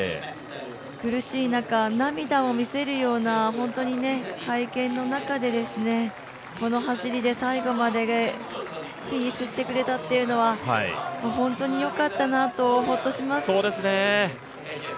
苦しい中、涙を見せるような本当に会見の中で、この走りで最後までフィニッシュしてくれたというのは本当によかったなとほっとします。